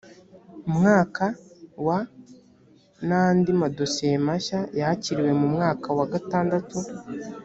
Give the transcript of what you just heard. mwaka wa n andi madosiye mashya yakiriwe mu mwaka wa gatandatu